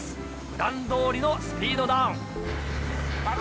普段どおりのスピードダウン。